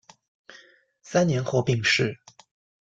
三年后病逝。